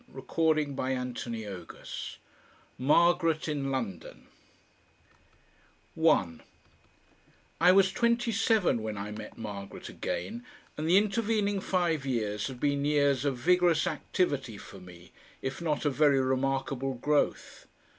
CHAPTER THE SECOND ~~ MARGARET IN LONDON 1 I was twenty seven when I met Margaret again, and the intervening five years had been years of vigorous activity for me, if not of very remarkable growth.